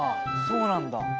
そうなんだ。